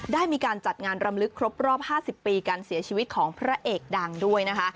ได้มีการจัดงานรำลึกครบรอบ๕๐ปีการเสียชีวิตของพระเอกดังด้วยนะคะ